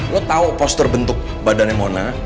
lo tau postur bentuk badan mona